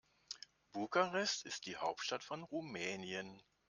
Bukarest ist die Hauptstadt von Rumänien.